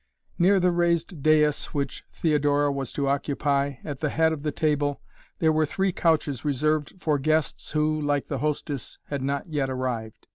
Near the raised dais which Theodora was to occupy, at the head of the table, there were three couches reserved for guests who, like the hostess, had not yet arrived.